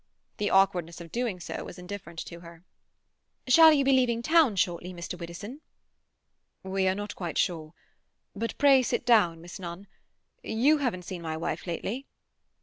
The awkwardness of doing so was indifferent to her. "Shall you be leaving town shortly, Mr. Widdowson?" "We are not quite sure—But pray sit down, Miss Nunn. You haven't seen my wife lately?"